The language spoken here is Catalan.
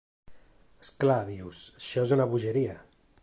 És clar, dius, això és una bogeria.